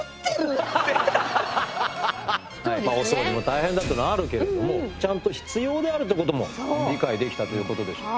お掃除も大変だっていうのあるけれどもちゃんと必要であるということも理解できたということでしょうか。